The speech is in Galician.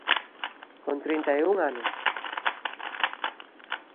Con trinta e un anos.